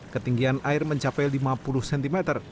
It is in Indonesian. ketinggian air mencapai lima puluh cm